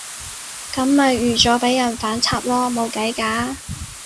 噉咪預咗畀人反插囉，冇計㗎